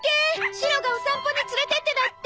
シロがお散歩に連れてってだって。